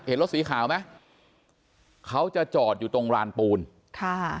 เห็นรถสีขาวไหมเขาจะจอดอยู่ตรงรานปูนค่ะ